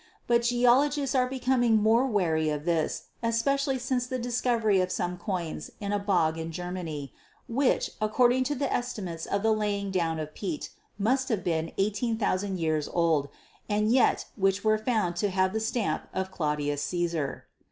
But geologists are becoming even more wary of this, especially since the discovery of some coins in a bog in Germany, which, according to the estimates of the laying down of peat, must have been 18,000 years old, and yet which were found to have the stamp of Claudius Caesar.